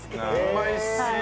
うまいっすね。